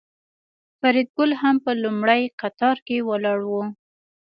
فریدګل هم په لومړي قطار کې ولاړ و